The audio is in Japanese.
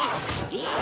えっ？